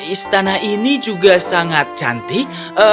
istana ini juga sangat cantik